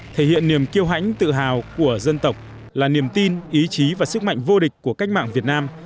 thể hiện niềm kiêu hãnh tự hào của dân tộc là niềm tin ý chí và sức mạnh vô địch của cách mạng việt nam